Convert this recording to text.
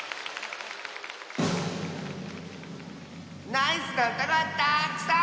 ナイスなうたがたっくさん！